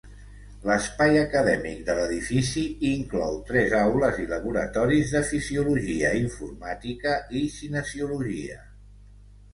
L'espai acadèmic de l'edifici inclou tres aules i laboratoris de fisiologia, informàtica i cinesiologia.